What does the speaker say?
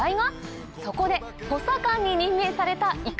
そこで補佐官に任命されたいかちゃん。